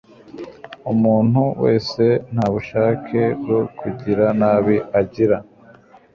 umuntu wese nta bushake bwo kugira nabi agira